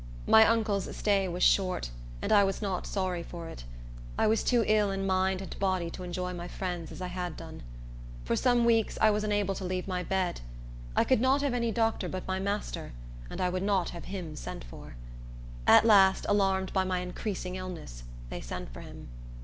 My uncle's stay was short, and I was not sorry for it. I was too ill in mind and body to enjoy my friends as I had done. For some weeks I was unable to leave my bed. I could not have any doctor but my master, and I would not have him sent for. At last, alarmed by my increasing illness, they sent for him.